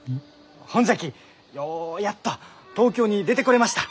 ほんじゃきようやっと東京に出てこれました。